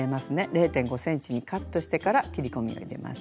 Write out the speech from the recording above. ０．５ｃｍにカットしてから切り込みを入れます。